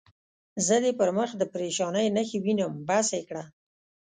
زه دې پر مخ د پرېشانۍ نښې وینم، بس یې کړه.